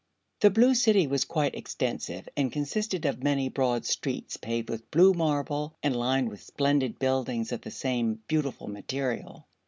The Blue City was quite extensive, and consisted of many broad streets paved with blue marble and lined with splendid buildings of the same beautiful material.